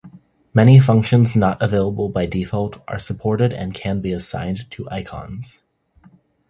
Many functions not available by default are supported and can be assigned to icons.